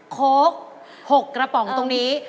โค้ก๖กระป๋องตรงนี้